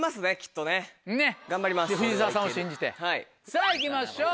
さぁいきましょう。